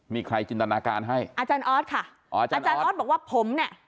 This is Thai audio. มีใครจินตนาการให้อาจารย์ออสค่ะอ๋ออาจารย์ออสบอกว่าผมเนี่ย